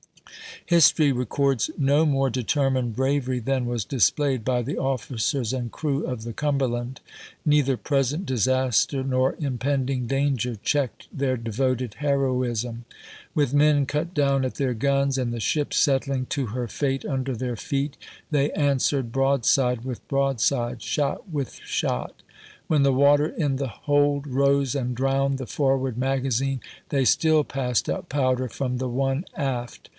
History records no more determined bravery than was displayed by the officers and crew of the Cum herland. Neither present disaster nor impending danger checked their devoted heroism. With men cut down at their guns, and the ship settling to her fate under their feet, they answered broadside with broadside, shot with shot. When the water in the hold rose and drowned the forward magazine, they still passed up powder from the one aft.